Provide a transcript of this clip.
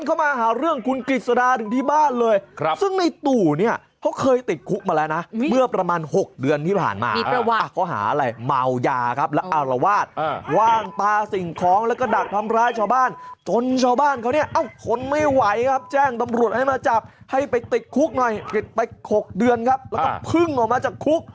คนไม่ไหวครับแจ้งตำรวจให้มาจับไปติดคุกหน่อยริดไป๖เดือนแล้วครึ่งออกมาจากคุก